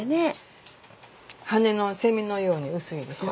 羽のセミのように薄いでしょ。